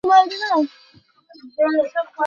তিনি স্বাধীনতা সংগ্রামী শান্তিসুধা ঘোষের মাতা।